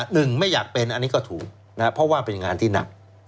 ไม่อยากเป็นอันนี้ก็ถูกนะครับเพราะว่าเป็นงานที่หนัก